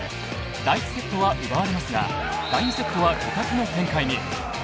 第１セットは奪われますが第２セットは互角の展開に。